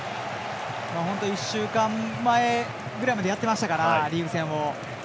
本当に１週間前ぐらいまでやってましたから、リーグ戦を。